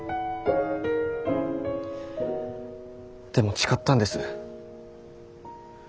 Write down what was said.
でも誓ったんです。